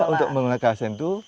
hak untuk mengelola kawasan itu